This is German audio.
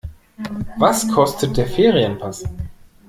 Was kostet der Ferienpass?